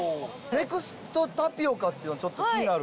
ネクストタピオカっていうの、ちょっと気になる。